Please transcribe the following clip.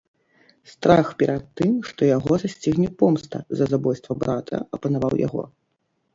Страх перад тым, што яго засцігне помста за забойства брата, апанаваў яго.